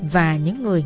và những người